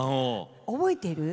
覚えている？